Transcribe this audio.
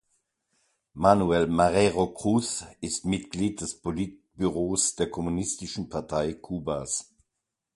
Manuel Marrero Cruz ist Mitglied des Politbüros der Kommunistischen Partei Kubas.